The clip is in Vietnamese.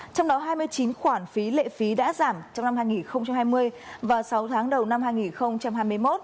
trong đó hai mươi chín khoản phí lệ phí đã giảm trong năm hai nghìn hai mươi và sáu tháng đầu năm hai nghìn hai mươi một